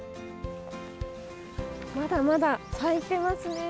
まだまだ咲いてますね。